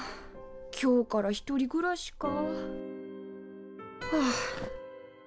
今日から１人暮らしか。はあ。